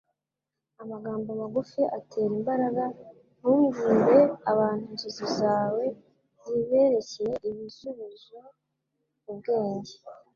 Amagambo magufi atera imbaraga ntubwire abantu inzozi zawe zibereke ibisubizo ubwenge